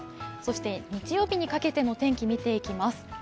そして日曜日にかけての天気見ていきます。